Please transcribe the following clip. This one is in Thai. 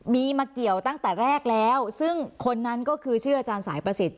มีมาเกี่ยวตั้งแต่แรกแล้วซึ่งคนนั้นก็คือชื่ออาจารย์สายประสิทธิ